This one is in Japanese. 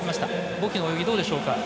ボキの泳ぎ、どうでしょうか？